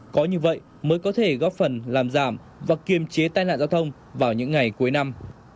có như vậy mới có thể góp phần làm giảm và kiềm chế tai nạn giao thông vào những ngày cuối năm